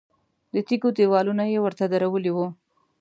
د تیږو دیوالونه یې ورته درولي وو.